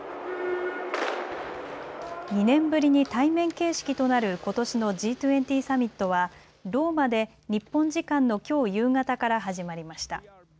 ２年ぶりに対面形式となることしのＧ２０サミットはローマで日本時間のきょう夕方から始まりました。